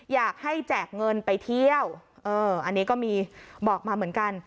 แจกเงินไปเที่ยวอันนี้ก็มีบอกมาเหมือนกัน